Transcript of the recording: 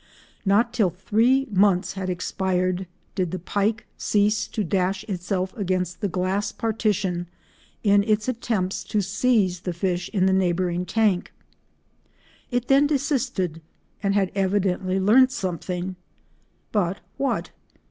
Not till three months had expired did the pike cease to dash itself against the glass partition in its attempts to seize the fish in the neighbouring tank. It then desisted and had evidently learnt something—but what?